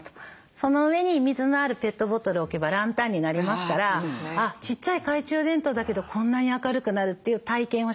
その上に水のあるペットボトル置けばランタンになりますからちっちゃい懐中電灯だけどこんなに明るくなるっていう体験をして頂くと。